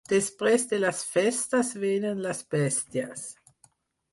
Després de les festes venen les bèsties.